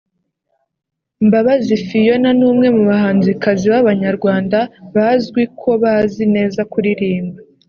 Mbabazi Phionah ni umwe mu bahanzikazi b'abanyarwanda bizwi ko bazi neza kuririmba